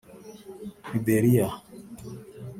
Liberia